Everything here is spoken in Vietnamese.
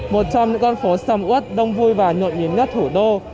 một trong những con phố sầm út đông vui và nhuận nhịp nhất thủ đô